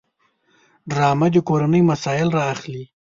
ډرامه د کورنۍ مسایل راخلي